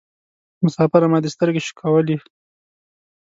مسافره ما دي سترګي شکولولې